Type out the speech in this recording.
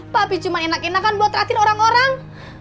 papi cuma enak enakan buat ratiin orang orang